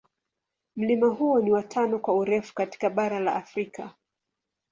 Mlima huo ni wa tano kwa urefu katika bara la Afrika.